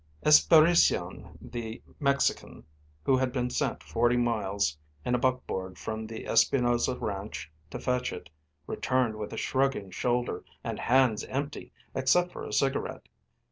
Espirition, the Mexican, who had been sent forty miles in a buckboard from the Espinosa Ranch to fetch it, returned with a shrugging shoulder and hands empty except for a cigarette.